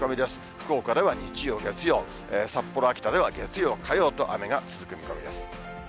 福岡では日曜、月曜、札幌、秋田では月曜、火曜と、雨が続く見込みです。